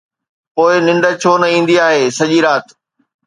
پوءِ ننڊ ڇو نه ايندي آهي سڄي رات